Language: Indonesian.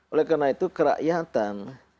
oleh karena itu kerakyatan